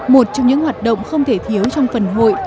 một trong những hoạt động không thể thiếu trong phần hội